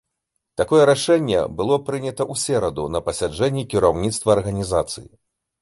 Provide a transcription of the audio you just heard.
Такое рашэнне было прынята ў сераду на пасяджэнні кіраўніцтва арганізацыі.